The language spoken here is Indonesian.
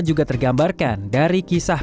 juga tergambarkan dari kisah